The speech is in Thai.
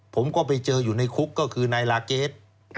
ผมก็ไปเจออยู่ในคุกก็คือนายลาเกส